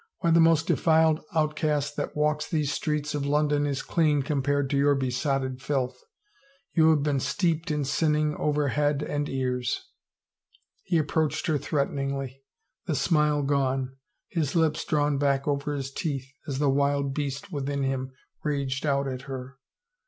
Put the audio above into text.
Why the most defiled outcast that walks these streets of Lon don is clean compared to your besotted filth. You have been steeped in sinning over head and ears." He approached her threateningly, the smile gone, his lips drawn back over his teeth as the wild beast within him raged out at her.